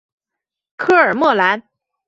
科尔莫兰。